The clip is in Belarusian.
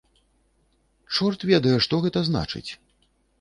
Чорт ведае, што гэта значыць?